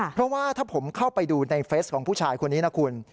เพราะว่าถ้าผมเข้าไปดูในเฟสของผู้ชายคนนี้นะคุณ